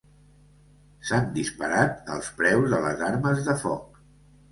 S'han disparat, els preus de les armes de foc.